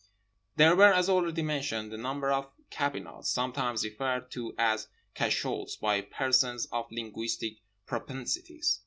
There were (as already mentioned) a number of cabinots, sometimes referred to as cachots by persons of linguistic propensities.